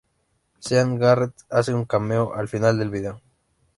Sean Garrett hace un cameo al final del video.